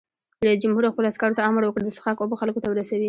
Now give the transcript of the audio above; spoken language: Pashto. رئیس جمهور خپلو عسکرو ته امر وکړ؛ د څښاک اوبه خلکو ته ورسوئ!